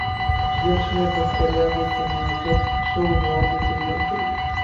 زیات شمېر بکتریاوي په ناجذب شوو موادو کې ژوند کوي.